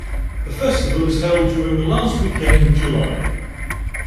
The festival is held during the last weekend in July.